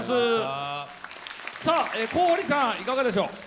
小堀さん、いかがでしょう。